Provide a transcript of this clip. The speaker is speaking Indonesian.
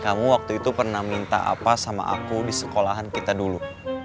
kamu waktu itu pernah minta apa sama aku di sekolahan kita dulu